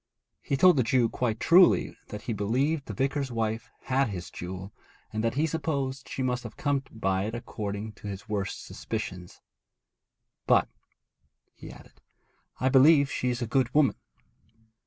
He told the Jew quite truly that he believed the vicar's wife had his jewel, and that he supposed she must have come by it according to his worst suspicions. 'But,' he added, 'I believe she is a good woman.'